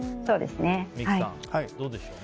三木さん、どうでしょう。